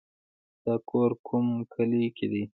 ستا کور کوم کلي کې دی